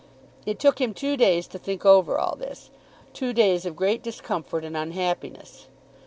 It took him two days to think over all this, two days of great discomfort and unhappiness.